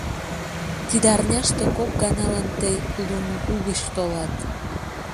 Тиде арняште кок ганалан тый Лунгу гыч толат!